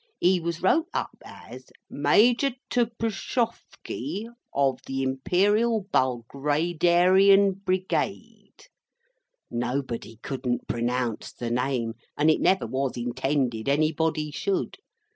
He was wrote up as MAJOR TPSCHOFFKI, OF THE IMPERIAL BULGRADERIAN BRIGADE. Nobody couldn't pronounce the name, and it never was intended anybody should.